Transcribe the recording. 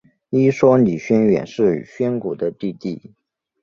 一说李宣远是宣古的弟弟。